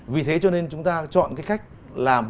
vì thế cho nên chúng ta chọn cái cách làm